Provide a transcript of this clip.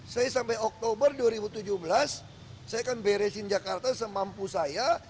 saya sampai oktober dua ribu tujuh belas saya akan beresin jakarta semampu saya